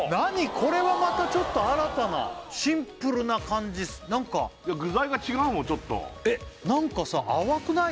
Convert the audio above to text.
これはまたちょっと新たなシンプルな感じなんか具材が違うもんちょっとなんかさ淡くない？